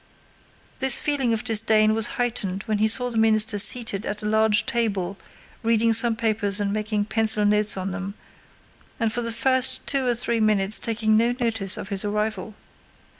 This feeling of disdain was heightened when he saw the minister seated at a large table reading some papers and making pencil notes on them, and for the first two or three minutes taking no notice of his arrival.